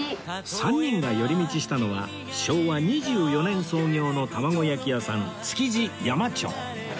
３人が寄り道したのは昭和２４年創業の玉子焼き屋さん築地山長